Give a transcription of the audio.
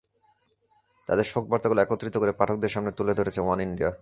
তাঁদের শোক বার্তাগুলো একত্রিত করে পাঠকদের সামনে তুলে ধরেছে ওয়ান ইন্ডিয়া।